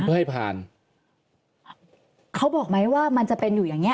เพื่อให้ผ่านเขาบอกไหมว่ามันจะเป็นอยู่อย่างเงี้